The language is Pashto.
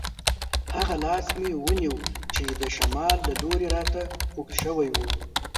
هغه لاس مې ونیو چې د شمال له لوري راته اوږد شوی وو.